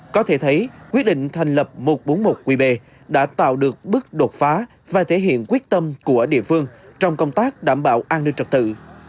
có thể thấy quyết định thành lập một trăm bốn mươi một qb đã tạo được bước đột phá và thể hiện quyết tâm của địa phương trong công tác đảm bảo an ninh trật tự